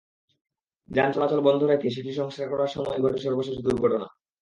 যান চলাচল বন্ধ রেখে সেটির সংস্কার করার সময়ই ঘটে সর্বশেষ দুর্ঘটনা।